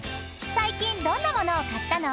［最近どんなものを買ったの？］